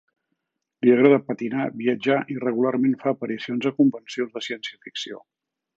Li agrada patinar, viatjar i regularment fa aparicions a convencions de ciència-ficció.